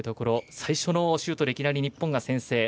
最初のシュートでいきなり日本が先制。